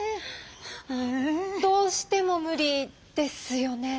どうしても無理ですよね？